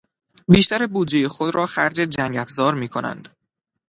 بیشتر بودجهی خود را خرج جنگ افزار میکنند.